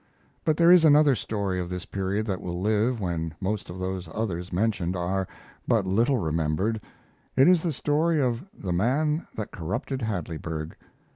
But there is another story of this period that will live when most of those others mentioned are but little remembered. It is the story of "The Man that Corrupted Hadleyburg."